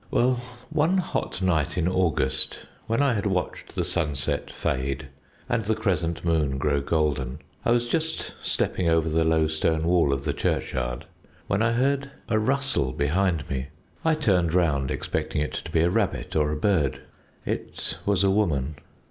"Well, one hot night in August, when I had watched the sunset fade and the crescent moon grow golden, I was just stepping over the low stone wall of the churchyard when I heard a rustle behind me. I turned round, expecting it to be a rabbit or a bird. It was a woman."